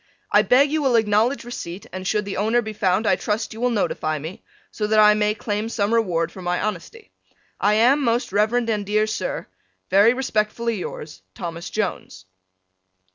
I beg you will acknowledge receipt and should the owner be found I trust you will notify me, so that I may claim some reward for my honesty. I am, Most Rev. and dear Sir, Very respectfully yours, Thomas Jones.